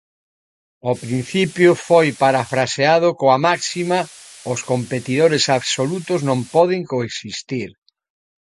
O principio foi parafraseado coa máxima "os competidores absolutos non poden coexistir".